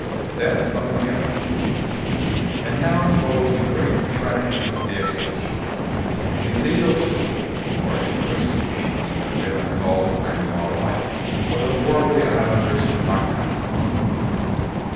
Death of Magellan. And now follows the great trag edy of the expedition. The dato of Cebu, or the " Chris tian king," as Pigafetta called their new ally, was at war with the islanders of Mactan.